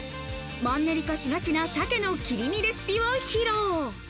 マンネリ化しがちな鮭の切り身レシピを披露。